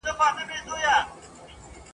ښایسته مرغه پر دوی باندي خندله !.